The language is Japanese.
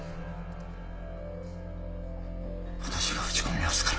私が打ち込みますから。